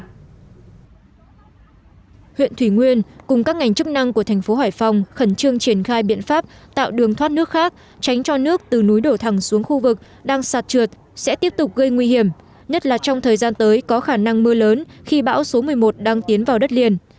ủy ban nhân dân huyện thủy nguyên thành phố hải phòng vừa cho biết các lực lượng chức năng của huyện thủy nguyên thành phố hải phòng vừa cho biết các lực lượng chức năng của huyện thủy nguyên tạo đường thoát nước khác tránh cho nước từ núi đổ thẳng xuống khu vực đang sạt trượt sẽ tiếp tục gây nguy hiểm nhất là trong thời gian tới có khả năng mưa lớn khi bão số một mươi một đang tiến vào đất liền